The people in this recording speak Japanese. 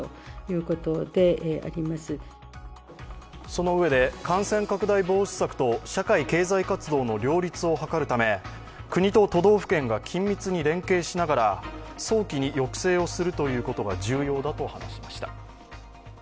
そのうえで、感染拡大防止策と社会経済活動の両立を図るため国と都道府県が緊密に連携しながら早期に抑制をするということが重要だと話しました。